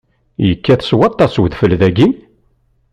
Yekkat s waṭas udfel dagi?